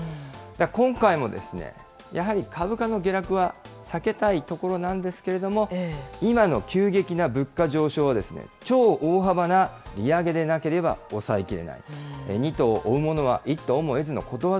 今回も、やはり株価の下落は避けたいところなんですけれども、今の急激な物価上昇は、超大幅な利上げでなければ、抑えきれないと。